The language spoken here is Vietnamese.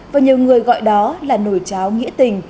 và nhiều người gọi đó là nồi cháo nghĩa tình